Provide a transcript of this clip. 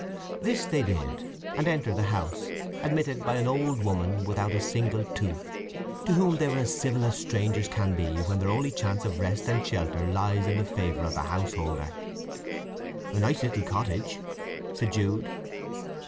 This they did, and entered the house, admitted by an old woman without a single tooth, to whom they were as civil as strangers can be when their only chance of rest and shelter lies in the favour of the householder. "A nice little cottage," said Jude.